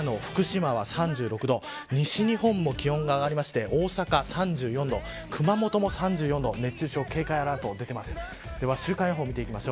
長野、福島は３６度西日本も気温が上がりまして大阪３４度熊本も３４度熱中症警戒アラートが出ています。